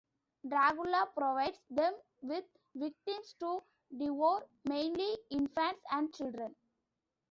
Dracula provides them with victims to devour, mainly infants and children.